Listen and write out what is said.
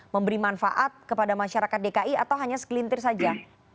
memberi manfaat kepada masyarakat dki atau hanya segelintir saja